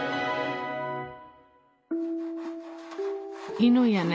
犬やね